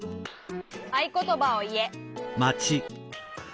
「あいことばをいえ」。